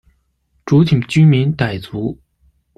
主体居民傣族。